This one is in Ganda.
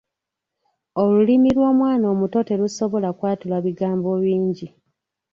Olulimi lw'omwana omuto terusobola kwatula bigambo bingi.